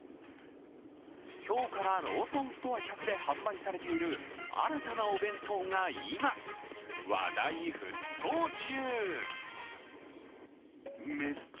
今日からローソンストア１００で販売されている新たなお弁当が今、話題沸騰中。